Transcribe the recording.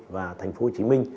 và thành phố hồ chí minh